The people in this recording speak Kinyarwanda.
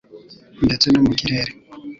ndetse no mu kirere